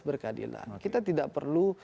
berkadilan kita tidak perlu